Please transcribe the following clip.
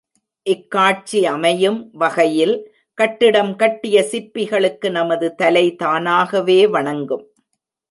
இக்காட்சி அமையும் வகையில், கட்டிடம் கட்டிய சிற்பிகளுக்கு நமது தலை தானாகவே வணங்கும்.